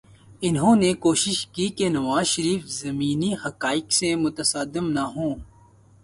انہوں نے کوشش کی کہ نواز شریف زمینی حقائق سے متصادم نہ ہوں۔